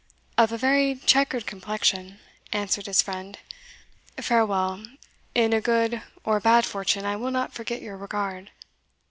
"Of a very chequered complexion," answered his friend. "Farewell in good or bad fortune I will not forget your regard."